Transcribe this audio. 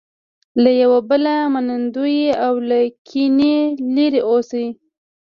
له یو بله منندوی او له کینې لرې اوسي.